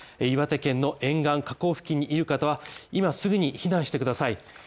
岩手県の沿岸河口付近にいる方は今すぐに避難してください